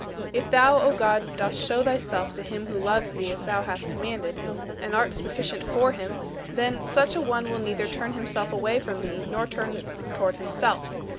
If thou, O God, dost show thyself to him who loves thee as thou hast commanded and art sufficient for him then, such a one will neither turn himself away from thee nor turn away toward himself.